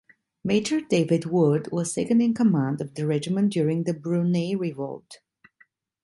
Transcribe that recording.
Major David Wood was second-in-command of the regiment during the Brunei Revolt.